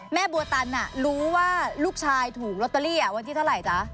บัวตันรู้ว่าลูกชายถูกลอตเตอรี่วันที่เท่าไหร่จ๊ะ